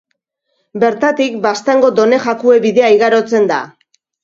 Bertatik Baztango Done Jakue bidea igarotzen da.